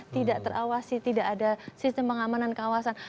tidak terawasi tidak ada sistem pengamanan kawasan